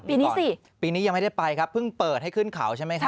ปีนี้สิปีนี้ยังไม่ได้ไปครับเพิ่งเปิดให้ขึ้นเขาใช่ไหมครับ